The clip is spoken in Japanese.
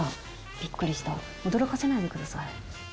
びっくりした驚かせないでください。